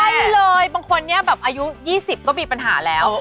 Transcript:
ใช่เลยบางคนนี้แบบอายุ๒๐ก็มีปัญหาแล้ว